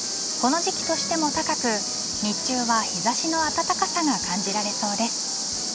この時期としても高く日中は日差しの暖かさが感じられそうです。